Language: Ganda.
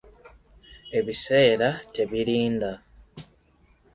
Ebiseera tebirinda.